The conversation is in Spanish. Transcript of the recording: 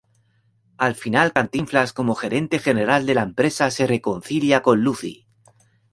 Al final Cantinflas como gerente general de la empresa se reconcilia con Lucy.